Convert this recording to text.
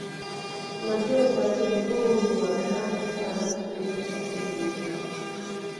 Tunajua usafiri huu ni wa gharama sana kuliko usafiri mwingine